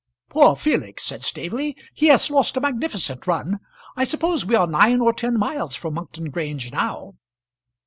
"Poor Felix!" said, Staveley. "He has lost a magnificent run. I suppose we are nine or ten miles from Monkton Grange now?"